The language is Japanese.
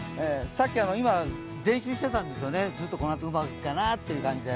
今、練習していたんですよね、このあとうまくいくかなという感じで。